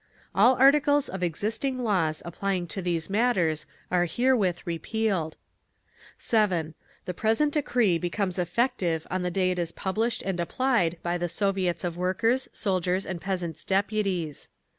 All articles of existing laws applying to these matters are herewith repealed. 7. The present decree becomes effective on the day it is published and applied by the Soviets of Workers', Soldiers' and Peasants' Deputies.